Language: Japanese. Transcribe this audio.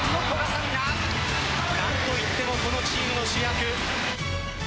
何といっても、このチームの主役。